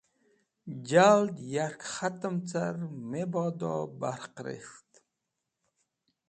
Jald yarkẽ khatẽm car mebodo barq res̃ht